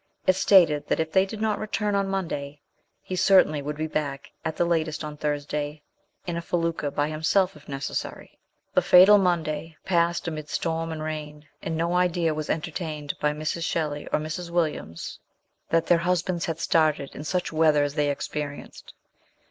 It stated that if they did not return on Monday, he certainly would be back at the latest on Thursday in a felucca by himself if necessary. The fatal Monday passed amid storm and rain, and no idea was entertained by Mrs. Shelley or 170 MRS. SHELLEY. Mrs. "Williams that their husbands had started in such weather as they experienced.